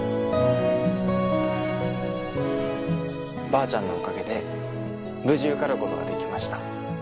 ばあちゃんのおかげで無事受かることができました。